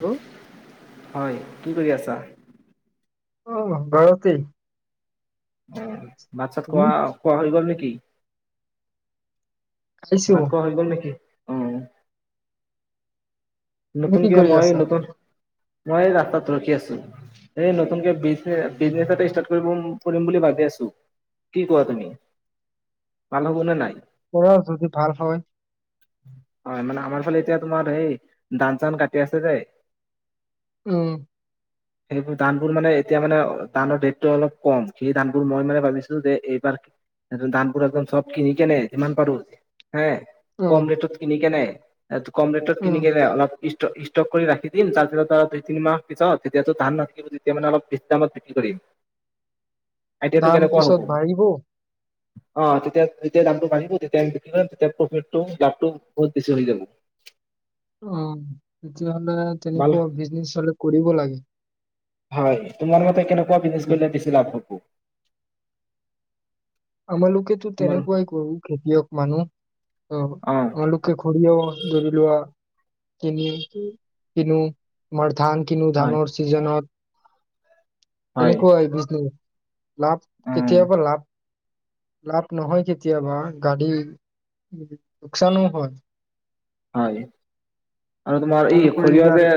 ও। হয়, কি কৰি আছা? অহ, ঘৰতেই। উম'। ভাত-চাত তুমি খোৱা-খোৱা হৈ গ'ল নে? কি। খাইছো ভাত খোৱা হৈ গ'ল নেকি? অ', তুমি কি নতুনকে কৰি মই, আছা নতুন মই ৰাস্তাত ৰখি আছো। এই নতুনকে বিজনে-বিজনেছ এটা ষ্টাৰ্ট কৰিব-কৰিম বুলি ভাবি আছো। কি কোৱা তুমি। ভাল হ'ব নে নাই। কৰা যদি ভাল হয় হয় মানে আমাৰ ফালে এতিয়া তোমাৰ সেই ধান চান কাটি আছে যে, উম! সেইবোৰ ধানবোৰ মানে এতিয়া মানে ধানৰ ৰেটটো অলপ কম সেই ধানবোৰ মই মানে ভাবিছিলোঁ যে এইবাৰ ধানবোৰ একদম চব কিনি কেনে যিমান পাৰো হে উম কম ৰেটত কিনি কেনে এটো কম ৰেটত উম কিনি কেনে অলপ ষ্টক কৰি ৰাখি দিম তাৰপিছত আৰু দুই তিনিমাহৰ পিছত তেতিয়াতো ধান নথাকিব তেতিয়া মানে অলপ বেছি দামত বিক্ৰী কৰিম। আইডিয়াটো দাম কেনেকুৱা হ'ব পিছত বাঢ়িব? অ' যেতিয়া যেতিয়া দামটো বাঢ়িব তেতিয়া আমি বিক্ৰী কৰিম তেতিয়া প্ৰফিটটো দামটো বহুত বেছি হৈ যাব। অ' তেতিয় হ'লে ভাল তেনেকুৱা বিজনেচ হ'লে কৰিব লাগে। হয় তোমাৰ [unintelligible] কেনেকুৱা বিজনেছ কৰিলে বেছি লাভ [unintelligible] আমাৰলোকেতো তোমাৰ তেনেকোৱাই কৰো খেতিয়ক মানুহ। অ [unintelligible] লোকে [unintelligible] ধৰি লোৱা তিনি [unintelligible] মাৰ ধান কিনো হয় ধানৰ ছিজনত হয় তেনেকৈ [unintelligible] লাভ অ কেতিয়াবা লাভ লাভ নহয় কেতিয়াবা [unintelligible] লোকচানো হয়। হয়, আৰু তোমাৰ এই তোমালোকৰ সৰিয়হ এইবাৰ যে,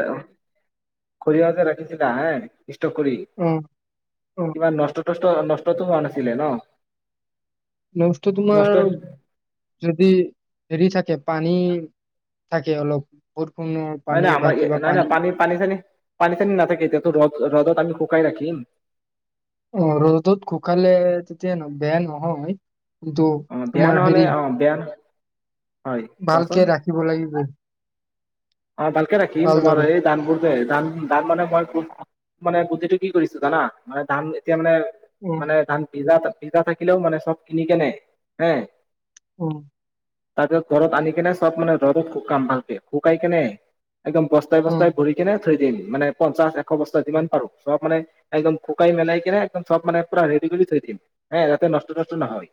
সৰিয়হ যে, ৰাখিছিলা হে ইষ্টক কৰি অ অ কিমান [unintelligible] নষ্ট নষ্টতো হোৱা নাছিলে ন? নষ্ট নষ্ট তোমাৰ যদি হেৰি থাকে পানী থাকে অলপ বৰষুণৰ নাই, পানী নাই বা আমাৰ কিবা নাই, নাই পানী, পানী চানী পানী ছানি নাথাকে, এতিয়াতো ৰ'দ ৰ'দত আমি শুকাই ৰাখিম। অ', ৰ'দত শুকালে তেতিয়া ন বেয়া নহয়। কিন্তু অ বেয়া তোমাৰ নহ'লে হেৰি অ বেয়া হয় কোৱাচোন ভালকে ৰাখিব লাগিব। অ', ভালকে ৰাখিম তোমাৰ ভালদৰে এই ধানবোৰ ধান, ধান মানে মই মানে গুটিটো কি কৰিছো জানা? মানে ধান এতিয়া মানে উম মানে ধান [unintelligible] পিজ্জা থাকিলেও মানে চব কিনি কেনে। এ। অ'। তাৰপিছত ঘৰত আনি কেনে চব মানে ৰ'দত শুকাম ভালক শুকাই কেনে একদম বস্তাই উম বস্তাই ভৰি কেনে থৈ দিম মানে পঞ্চাশ এশ বস্তা যিমান পাৰোঁ চবমানে একদম শুকাই মেলাই কিনে একদম চবমানে পুৰা ৰেডি কৰি থৈ দিম যাতে নষ্ট নষ্ট নহয়।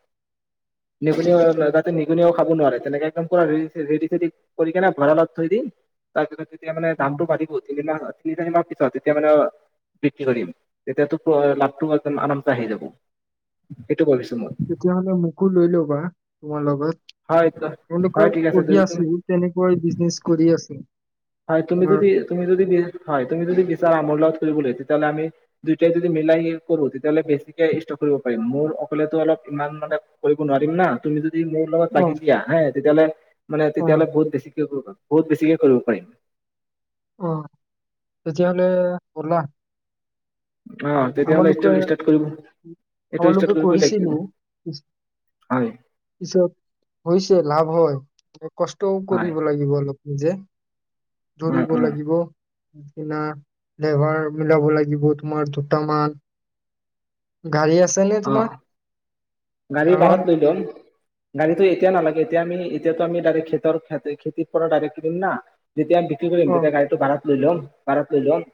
নিগনি উম লগতে নিগনি খাব নোৱাৰে তেনেকে একদম ৰেডি চেদি কৰি ভঁৰালত থৈ দিম তাৰপিছত এতিয়া মানে উম। দামটো বাঢ়িব তিনিমাহত। তিনিমাহ পিছত যেতিয়া মানে বিক্ৰী কৰিম তেতিয়াতো লাভটো আৰামচে আহি যাব সেইটো ভাবিছোঁ। তেতিয়াহ'লে মোকো লৈ ল'বা তোমাৰ লগত। হয় হয় তেওঁলোকক ঠিক আছে যদি কৰি তুমি আছো, তেনেকৈ বিজনেচ কৰি আছোঁ। হয়, তুমি যদি, তুমি যদ হয়, তুমি যদি বিচৰা মোৰ লগত কৰিবলৈ তেতিয়াহলে আমি দুয়োটাই যদি মিলাই কৰোঁ তেতিয়াহ'লে বেছিকে ষ্টক কৰিব পাৰিম মোৰ অকলে অলপ ইমান মানে কৰিব নোৱাৰিম না তুমি যদি তুমি মোৰ লগত অ লাগি দিয়া। তেতিয়াহ'লে মানে অ তেতিয়াহ'লে বহুত বেছি বহুত বেছিকে কৰিব পাৰিম। অ'। তেতিয়াহ'লে ব'লা অ ছিলোঁ। তেতিয়াহ'লে আমালোকৰ, ষ্টাৰ্ট কৰিব এইটো ষ্টাৰ্ট আমালোকে কৰিবই লাগিব কৰিছিলোঁ। হয় পিছত হৈছে, লাভ হয়। এক কষ্টও হয় কৰিব লাগিব অলপ যে অ ধৰিব অ লাগিব কিনা ফ্লেভাৰ মিলাব লাগিব তোমাৰ দুটামান গাড়ী আছে নে তোমাৰ অ'। গাড়ী ডাঙৰ ভাড়াত লৈ যাম। গাড়ীটো এতিয়া নালাগে। এতিয়া আমি, এতিয়াতো আমি ডাইৰেক্ট খেতৰ [unintelligible] খেতিৰ পৰা ডাইৰেক্ট কিনিম না যেতিয়া বিক্ৰী কৰিম, অ তেতিয়া গাড়ীটো ভাড়াত লৈ ল'ম। ভাড়াত লৈ ল'ম।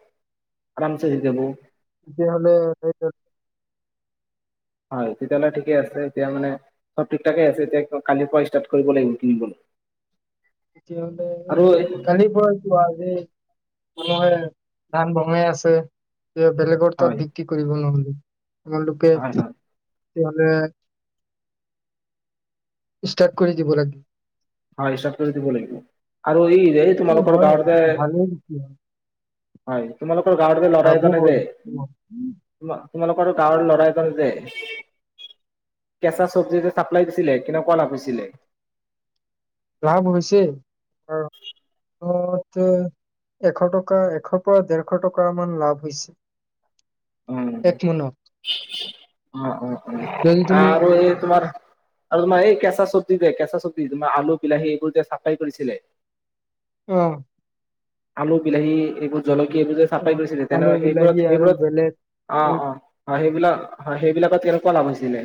আৰামচে হৈ যাব তেতিয়াহ'লে [unintelligible] হয়, তেতিয়াহ'লে ঠিকে আছে। এতিয়া, মানে, চব ঠিক-ঠাকে আছে। এতিয়া কালিৰ পৰা ষ্টাৰ্ট কৰিব লাগিব কিনিব তেতিয়াহ'লে কালি পৰাই কিয়? আজি সময় ধান ভঙাই আছে এয়া বেলেগৰ হয় তাত বিক্ৰী কৰিব নহ'লে তোমালোকে হয় হয় তে হ'লে ষ্টাৰ্ট কৰি দিব লাগ হয় হিচাপ কৰি দিব লাগিব। আৰু ই এই বিক্ৰী তোমালোকৰ হয় গাঁৱৰ যে, ভালেই বিক্ৰী হয় হয়, তোমালোকৰ গাঁৱৰ যে ল'ৰা লাভো এজনে যে, হয় তোমা তোমালোকৰ গাঁৱৰ ল'ৰাই [unintelligible] যে, কেঁচা চব্জিৰ যে চাপ্লাই দিছিলে, কেনেকুৱা লাভ হৈছিলে। লাভ হৈছে। [unintelligible] অহ, তে এশ টকা, এশৰ পৰা ডেৰশ টকা মান লাভ হৈছে। অহ। এক মোনত অ', অ', অ', যদি তুমি আৰু এই তোমাৰ আৰু তোমাৰ এই কেঁচা চব্জি যে, কেঁচা চব্জি তোমাৰ আলু, বিলাহী এইবোৰ যে চাপ্লাই কৰিছিলে। অহ। আলু, বিলাহী এইবো জলকীয়া এইবোৰ যে চাপ্লাই কৰিছিলে আলু তেনেকুৱা বিলাহী আৰু সেইবোৰত-সেইবোৰত বেলেগ অহ, বুট অহ, অ' সেইবিলাক অহ, সেইবিলাকত কেনেকুৱা লাভ হৈছিলে?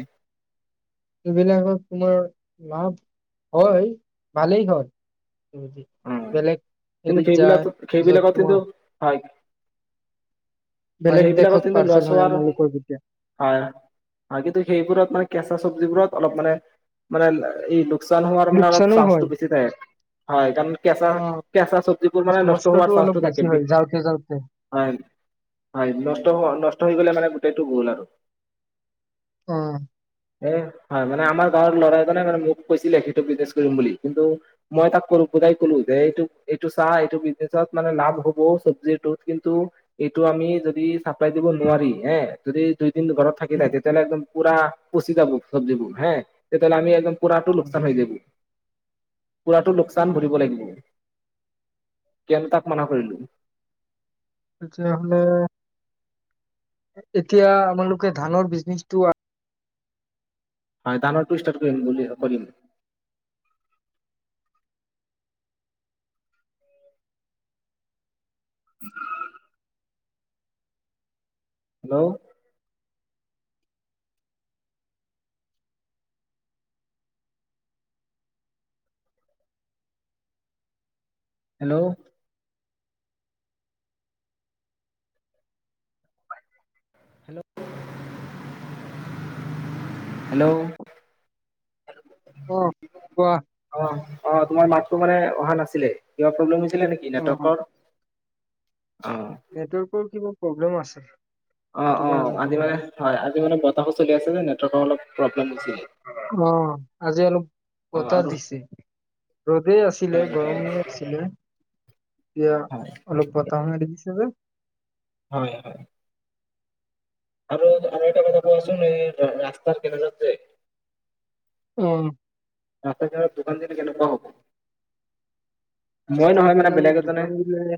এইবিলাকত তোমাৰ লাভ হয়, ভালেই হয়। যদি উম। বেলেগ কিন্তু, হেৰিত যায় পিছত সেইবিলাক-সেইবিলাকত কিন্তু, তোমাৰ হয়। হয় বেলেগ সেইবিলাকত দেশত কিন্তু লৱা পাৰ্চেল হয় চোৱাৰ, আমালোকৰ তেতিয়া হয়, হয় কিন্তু সেইবোৰত মানে কেঁচা চব্জিবোৰত অলপ মানে-মানে এই লোকচান হোৱাৰ মানে অলপ লোকচানো চান্সটো হয় বেছি থাকে, হয়। কেঁচা অ কেঁচা চব্জিবোৰ মানে নষ্ট নষ্টটো হোৱাৰ অলপ চান্সটো বেছি থাকে বি, হয় যাওঁতে যাওঁতে হয়, হয়, নষ্ট হোৱা নষ্ট মানে গোটেইটো গ'ল আৰু। অ'। এ, হয় মানে আমাৰ গাঁৱৰ ল'ৰা এজনে মানে মোক কৈছিলে সেইটো বিজনেছ কৰিম বুলি কিন্তু মই তাক ক'লো বুজাই ক'লো যে এইটো এইটো চা এইটো বিজনেচত মানে লাভ হ'ব চব্জিটোত কিন্তু এইটো আমি যদি চাপ্লাই দিব নোৱাৰি এ, যদি দুই নি ঘৰত থাকি য তেতিয়াহ'লে একদম পুৰা পচি যাব চব্জি বোৰ হে, তেতিয়াহ'লে আমি একদম কৰাটো উম। লোকচান হৈ যাব। পুৰাতো লোক চান ভৰিব লাগিব। কেনতাক মানা কৰিলো। তেতিয়াহ'লে এতিয়া আমালোকে ধানৰ বিজনেচটো আৰ হয় ধানৰ তো ষ্টাৰ্ট কৰিম বুলি কৰিম। [inaudible] হেল্ল'। হেল্ল'। হেল্ল'। অহ কোৱা। অ অ', তোমাৰ মাততো মানে অহা নাছিলে। কিবা প্ৰব্লেম হৈছি ছিলে নেকি নাটকৰ? নেটৱৰ্কৰও কিবা প্ৰব্লেম আছে। অ', সেইটো অ' কাৰণে আজি শুনা মানে, নাই হয় আজি মানে ব তাহো চলি আছে যে নেৱৰ্কৰ অলপ প্ৰব্লেম হৈছিলে। অ', আজি অলপ [inaudible] অ', বতাহ আৰু দিছে। ৰ'দেই আছিলে হয়, হয়, গৰমোআ দিছিলে। এতিয়া, হয়, অলপ বতাহো মাৰি দিছে যে। হয়, হয়। আৰু আৰু এটা কথা কোৱাচোন এই ৰাস্তাৰ কিনাৰত যে অ। ৰাস্তা ঘাট দোকান দিলে কেনেকুৱা হ'ব? মই ৰাস্ত নহয় মানে বেলেগ কিনাৰত এজনে দোকান দিলে এ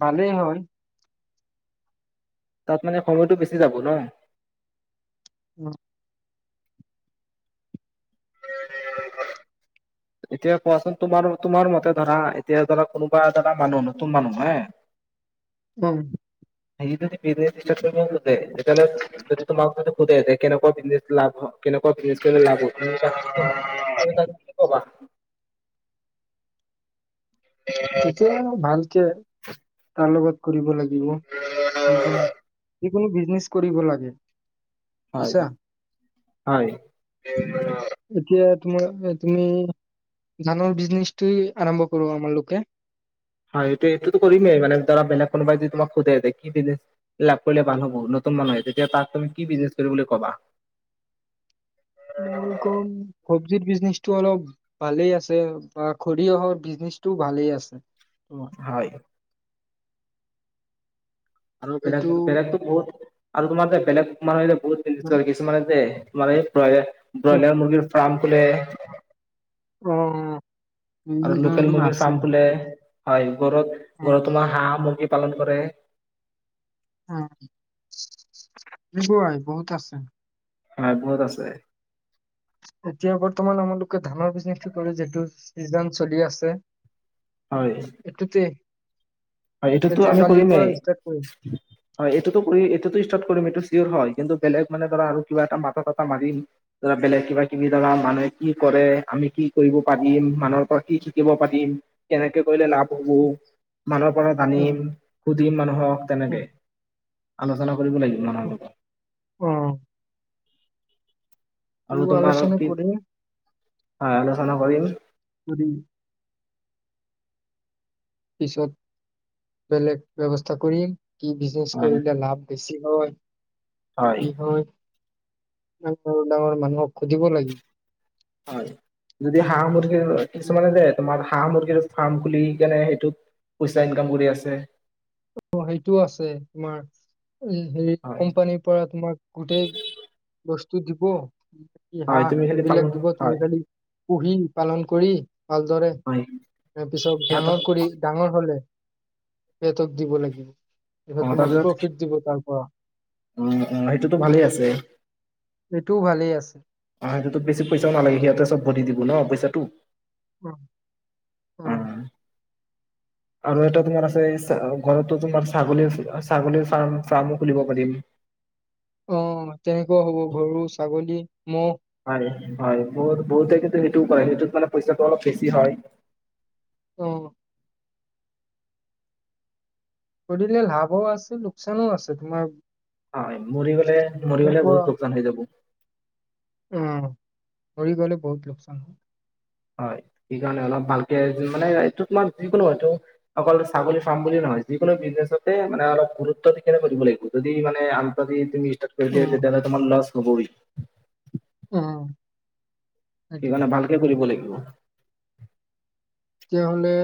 পালেই হয়। তাত মানে সময়টো বেছি যাব ন? উম। উউম। এতিয়া কোৱাচোন তোমাৰ-তোমাৰ মতে ধৰা এতিয়া ধৰা কোনোবা ধৰা মানুহ নতুন মানুহ হে। উম। [unintelligible] [unintelligible] [unintelligible] [unintelligible] [unintelligible] [unintelligible] ভাল কে তাৰ লগত কৰিব লাগ [unintelligible] যিকোনো বিজনেছ কৰিব লাগে। হয়, বুজিছা? হয়। এতিয়া তোমাৰ আ, তুমি ধানৰ বিজনেচটোৱেই আৰম্ভ কৰোঁ আমাৰালোকে হয়, এইটো এইটোতো কৰিমেই মে ধৰা বেলেগ কোনোবাই যদি তোমাক সুধে কি বিজনেচ লাভ কৰিলে ভাল হ'ব নতুন মানুহে তেতিয়া তাক তুমি কি বিজনেছ কৰিব বুলি কবা? [unintelligible] চবজিৰ বিজনেচটো অলপ ভালেই আছে বা খৰিয়হৰ বিজনেচটো ভালেই আছে। তোমাৰ হয়। আৰু বেলেগ সেইটো বেলেগতো বহু আৰু তোমাৰ যে, বেলেগ মানুহে যে অ বহুত [unintelligible] কিছুমানে দে মানে প্ৰায় ব্ৰইলাৰ মুগীৰ ফাৰ্ম খোলে। উম, উম। আৰু লোকেল মুৰ্গীৰ ফ্ৰাম খোলে। হয়। ঘৰত, উম, ঘৰত তোমাৰ হাঁহ ম পালন কৰে। উম, বাই বহুত আছে। হয়, বহুত আছে। এতিয়া বৰ্তমান আমালোকে ধানৰ বিজনেছটো কৰে যিটো চিজন চলি আছে। হয় এইটোতে হয়, এইটোতো তেতিয়া আমি কালিৰ পৰা কৰিমেই ষ্টাৰ্ট কৰিম। হয় এইটোতো কৰি এইটোতো ষ্টাৰ্ট কৰিম এইটো হয় কিন্তু বেলেগ মানে ধৰা আৰু কিবা এটা মাথা ছাথা মাৰি ধৰা বেলেগ কিবা কিবি ধৰা মানুহে কি কৰে আমি কি কৰিব পাৰিম মানুহৰ পৰা কি শিকিব পাৰিম কেনেকে কৰিলে লাভ হ'ব, মানুহ পৰা জানিম, সুধিম মানুহক, তেনেকে। আলোচনা কৰিবলগীব মানুহৰ লগত। আৰু ত তোমাৰ আলোচনা কি কৰি হয়, আলোচনা কৰিম। [unintelligible] পিছত বেলেগ ব্যৱস্থা কৰিম। কি বিজনেছ হয় কৰিলে লাভ বেছি হয়? কি হয়? ডাঙৰ, ডাঙৰ মানুহক সুধিব লাগিব। হয়, যদি হাঁহ মুৰ্গীৰ কিছুমানে যে, তোমাৰ হাঁহ মুৰ্গীৰ ফাৰ্ম খুলি কেনে সেইটোত পইচা ইনকাম কৰি আছে সেইটোও আছে তোমাৰ হেৰি হয় কোম্পানীৰ পৰা তোমাক গোটেই বস তু দিব হয় তুমি হাঁহ খালি পালন এইবিলাক দিব হয় তুমি খালি পুহি পালন কৰি ভালদৰে হয় ত পিছত সিহঁতক ডাঙৰ কৰি ডাঙৰ হ'লে সিহঁতক দিব লাগিব এতিয়া তোমাক প্ৰফিট দিব তাৰ পৰা। উম, উ, সেইটোতো ভালেই আছে। সেইটোও ভালেই আছে। অ', সেইটোতো বেছি পইচাও নালাগে সিহঁতে চব ভৰি দিব ন পইচাটো? উম। অ উম। আৰু এটা তোমাৰ আছে, চা, ঘৰতো তোমাৰ ছাগলীৰ, অহ, ছাগলীৰ ফ্ৰাম-ফ্ৰাৰ্মো খুলিব পাৰিম। অ', তেনেকুৱাও হ'ব গৰু, ছাগলী। ম'হ। হয় হয়, বহুত-বহুতে কিন্তু সেইটোও কৰে। সেইটোত মানে পইচাটো অলপ বেছি হয়। অ'। কৰিলে লাভো আছে লোকচানো আছে তোমাৰ। হয় মৰি গ'লে, মৰি ইয়াৰ গ'লে পৰা বহুত লোকচান হৈ যাব। অ মৰি গ'লে বহুত লোকচান হয়। হয়, সেইকাৰণে অলপ ভালকে, জু, মানে এইটো তোমাৰ যিকোনো হয়টো অকল ছাগলী ফাৰ্ম বুলি নহয়, যিকোনো বিজনেছতে মানে অলপ গুৰুত্ব দি কিনে কৰিব লাগিব যদি মানে আনতাজি তুমি [unintelligible] অ তেতিয়া হ'লে তোমাৰ লছ। গাহৰি। উম। সেইকাৰণে ভালকৈ কৰিব লাগিব। [inaudible] তেতিয়াহ'লে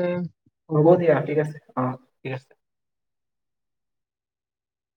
হ'ব দিয়া, ঠিক আছে। অহ, ঠিক আছে।